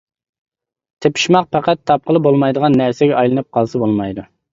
تېپىشماق پەقەت تاپقىلى بولمايدىغان نەرسىگە ئايلىنىپ قالسا بولمايدۇ.